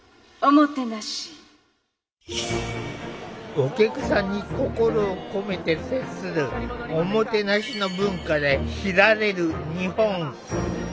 お客さんに心を込めて接する“おもてなし”の文化で知られる日本。